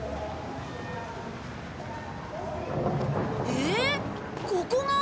ええっここが？